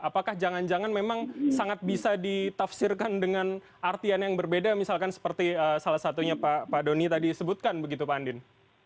apakah jangan jangan memang sangat bisa ditafsirkan dengan artian yang berbeda misalkan seperti salah satunya pak doni tadi sebutkan begitu pak andin